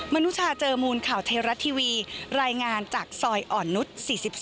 นุชาเจอมูลข่าวไทยรัฐทีวีรายงานจากซอยอ่อนนุษย์๔๒